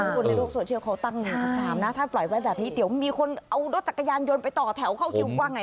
คนในโลกโซเชียลเขาตั้งคำถามนะถ้าปล่อยไว้แบบนี้เดี๋ยวมีคนเอารถจักรยานยนต์ไปต่อแถวเข้าคิวกว้างไง